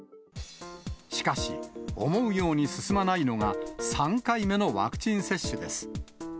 しかし、思うように進まないのが、３回目のワクチン接種です。